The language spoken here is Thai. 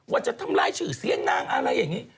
ว่าจะทำลายชื่อเสียงนางอะไรอย่างนี้